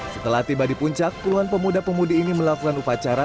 setelah tiba di puncak puluhan pemuda pemudi ini melakukan upacara